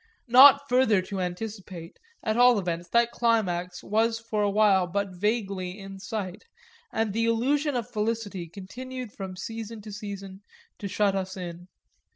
Not further to anticipate, at all events, that climax was for a while but vaguely in sight, and the illusion of felicity continued from season to season to shut us in.